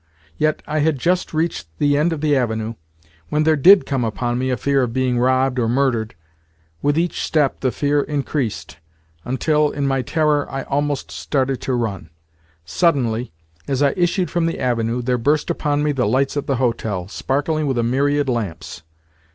Yet I had just reached the end of the Avenue when there did come upon me a fear of being robbed or murdered. With each step the fear increased until, in my terror, I almost started to run. Suddenly, as I issued from the Avenue, there burst upon me the lights of the hotel, sparkling with a myriad lamps!